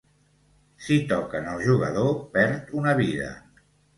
Si toquen al jugador, perd una vida.